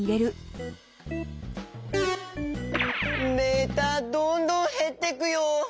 メーターどんどんへってくよ。